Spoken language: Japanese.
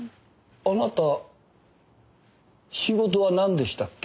あなた仕事はなんでしたっけ？